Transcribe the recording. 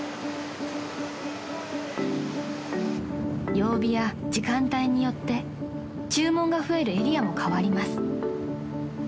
［曜日や時間帯によって注文が増えるエリアも変わります］